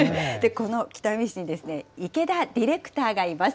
この北見市ですね、池田ディレクターがいます。